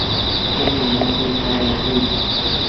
تو مآٿو کآرو ڇي۔